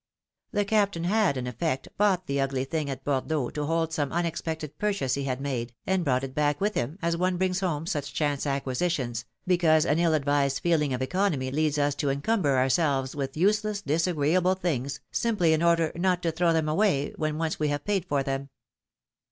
The Captain had, in effect, bought the ugly thing at Bordeaux to hold some unexpected purchase he had made, and brought it back with him, as one brings home such chance acquisitions, because an ill advised feeling of economy leads us to encumber ourselves with useless, disagreeable things, simply in order not to throw them 176 philomene's mareiages. away when once we have paid for them.